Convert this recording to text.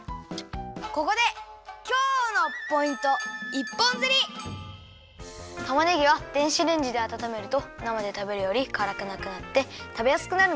ここでたまねぎは電子レンジであたためるとなまでたべるよりからくなくなってたべやすくなるんだよ。